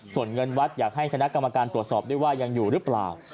ส่วนเงินวัดอยากให้คณะกรรมการตรวจสอบด้วยว่ายังอยู่หรือเปล่า